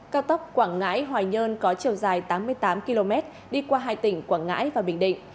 cao tốc quảng ngãi hòa nhơn có chiều dài tám mươi tám km đi qua hai tỉnh quảng ngãi và bình định